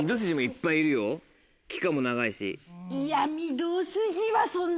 期間も長いし。